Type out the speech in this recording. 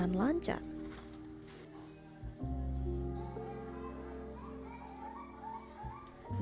aku mau berusaha dulu